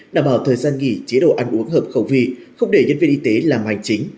đảm bảo thời gian nghỉ chế độ ăn uống hợp khẩu vị không để nhân viên y tế làm hành chính